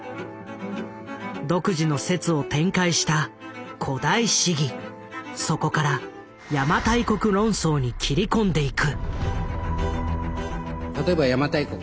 独自の説を展開したそこから「邪馬台国論争」に切り込んでいく。